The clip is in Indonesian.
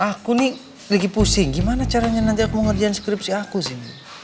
aku nih lagi pusing gimana caranya nanti aku ngerjain skripsi aku sih